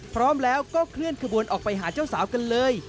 พร้อมแล้วก็เคลื่อนขบวนออกไปหาเจ้าสาวกันเลย